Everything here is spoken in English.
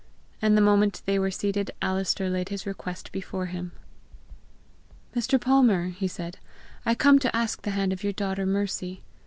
And the moment they were seated Alister laid his request before him. "Mr. Palmer," he said, "I come to ask the hand of your daughter Mercy.